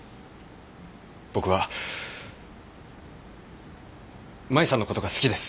僕は舞さんのことが好きです。